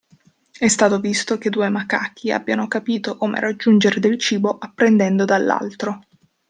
È stato visto che due macachi abbiano capito come raggiungere del cibo apprendendo dall'altro.